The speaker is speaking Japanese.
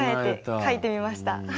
書いてみました。